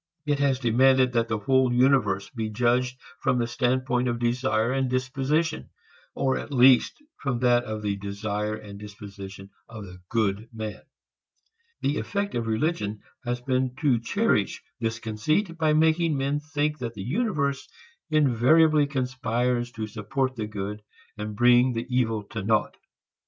It has demanded that the whole universe be judged from the standpoint of desire and disposition, or at least from that of the desire and disposition of the good man. The effect of religion has been to cherish this conceit by making men think that the universe invariably conspires to support the good and bring the evil to naught.